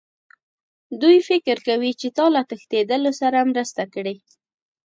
دوی فکر کوي چې تا له تښتېدلو سره مرسته کړې